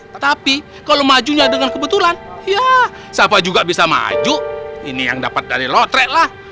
tetapi kalau majunya dengan kebetulan ya siapa juga bisa maju ini yang dapat dari lotret lah